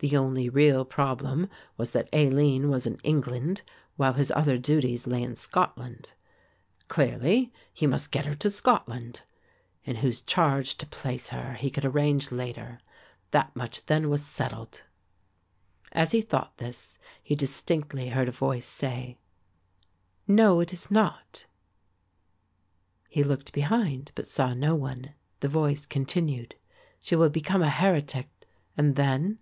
The only real problem was that Aline was in England, while his other duties lay in Scotland. Clearly he must get her to Scotland. In whose charge to place her, he could arrange later. That much then was settled. As he thought this, he distinctly heard a voice say, "No, it is not." He looked behind, but saw no one. The voice continued, "She will become a heretic and then...?"